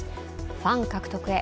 ファン獲得へ。